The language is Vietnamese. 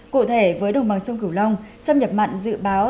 cụ thể với đồng bằng sông cửu long xâm nhập mặn dự báo